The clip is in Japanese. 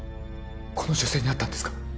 この女性に会ったんですか？